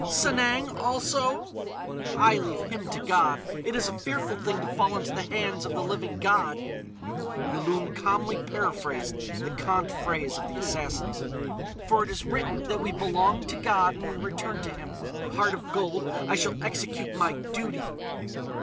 "Sanang, also?" "I leave him to God. It is a fearful thing to fall into the hands of the living God!" Yulun calmly paraphrased the cant phrase of the Assassins: "For it is written that we belong to God and we return to Him. Heart of gold, I shall execute my duty!"